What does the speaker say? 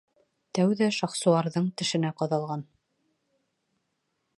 — Тәүҙә Шахсуарҙың тешенә ҡаҙалған...